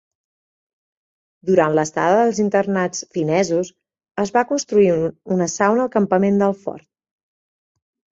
Durant l'estada dels internats finesos, es va construir una sauna al campament del fort.